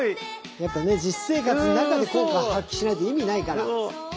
やっぱね実生活の中で効果発揮しないと意味ないから。